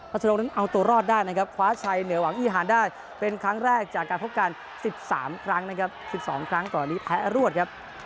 ชนงนั้นเอาตัวรอดได้นะครับคว้าชัยเหนือหวังอีฮานได้เป็นครั้งแรกจากการพบกัน๑๓ครั้งนะครับ๑๒ครั้งก่อนนี้แพ้รวดครับ